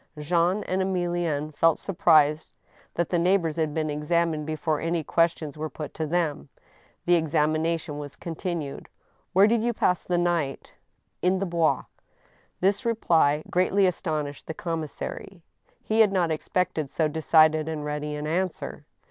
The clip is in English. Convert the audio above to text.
Jean and Emilienne felt surprised that the neighbors had been examined before any questions were put to them. The examination was continued :" Where did you pass the night ?" "IntheBois." This reply greatly astonished the commissary. He had not ex pected so decided and ready an answer.